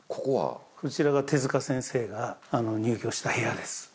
こちらが手塚先生が入居した部屋です